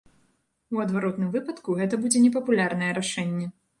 У адваротным выпадку, гэта будзе непапулярнае рашэнне.